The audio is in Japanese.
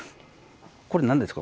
これ何ですか？